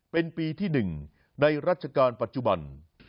เป็นปีที่๑ในรัชกาลปัจจุบัน